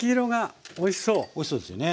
おいしそうですよね。